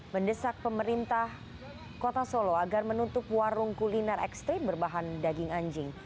mendesak pemerintah kota solo agar menutup warung kuliner ekstrim berbahan daging anjing